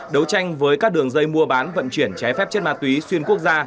đấu tranh với các đường dây mua bán vận chuyển trái phép chất ma túy xuyên quốc gia